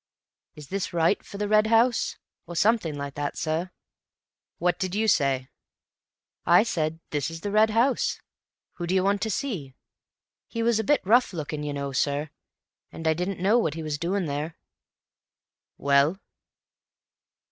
"'Is this right for the Red House?' or something like that, sir." "What did you say?" "I said, 'This is the Red House. Who do you want to see?' He was a bit rough looking, you know, sir, and I didn't know what he was doing there." "Well?"